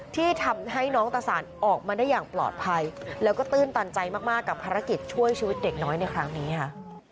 ที่ทำให้น้องตะสานออกมาได้อย่างปลอดภัยแล้วก็ตื้นตันใจมากกับภารกิจช่วยชีวิตเด็กน้อยในครั้งนี้ค่ะ